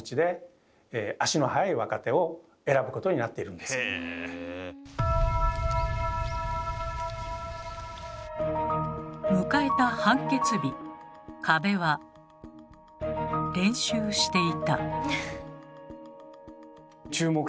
それでも迎えた判決日加部は練習していた。